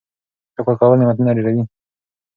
شکر کول نعمتونه ډېروي.